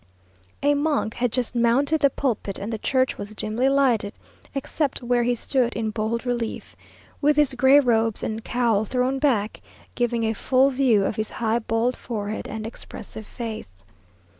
A monk had just mounted the pulpit, and the church was dimly lighted, except where he stood in bold relief, with his gray robes and cowl thrown back, giving a full view of his high bald forehead and expressive face.